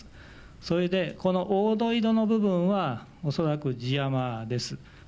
それで、この黄土色の部分は、恐らく地山です。